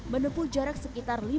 menempuh jarak sekitar lima ratus dua km